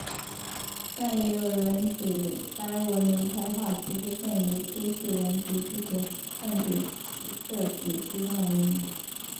但也有人指摘文明开化只是限于都市人及知识分子摄取西方文明。